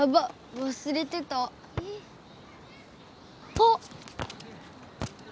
あっ。